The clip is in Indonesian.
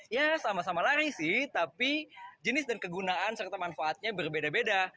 ya sama sama lari sih tapi jenis dan kegunaan serta manfaatnya berbeda beda